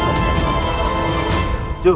aku tidak mau